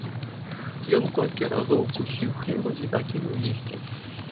Ён колькі разоў укусіў хлеба і пакінуў есці.